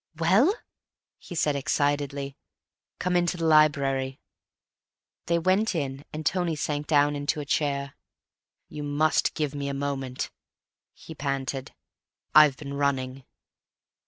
"Well?" he said excitedly. "Come into the library." They went in, and Tony sank down into a chair. "You must give me a moment," he panted. "I've been running."